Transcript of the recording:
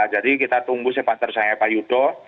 jadi kita tunggu sepater saya pak yudho